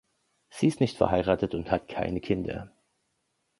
Sie ist nicht verheiratet und hat keine Kinder.